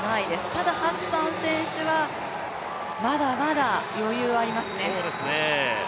ただハッサン選手は、まだまだ余裕ありますね。